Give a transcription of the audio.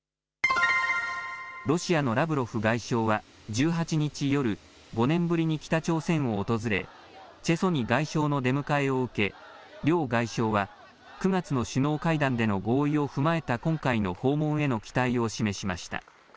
ロシアのラブロフ外相は１８日夜、５年ぶりに北朝鮮を訪れチェ・ソニ外相の出迎えを受け両外相は９月の首脳会談での合意を踏まえた今回の訪問への期待を示しました。